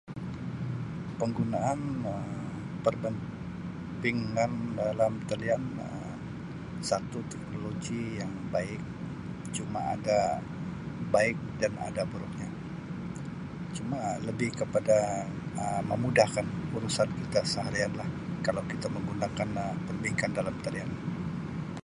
Penggunaan Um perbe-bankan dalam talian satu teknologi yang baik cuma ada baik dan ada buruknya cuma lebih kepada Um memudahkan urusan kita seharian lah kalau kita menggunakan perbankan dalam talian.